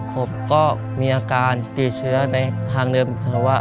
ผมก็มีอาการติดเชื้อในทางเดิมภาวะ